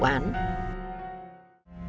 cơ quan cảnh sát điều tra